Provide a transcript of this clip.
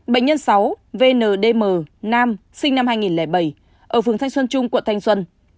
bệnh nhân sáu v n d m nam sinh năm hai nghìn bảy ở phường thanh xuân trung quận thanh xuân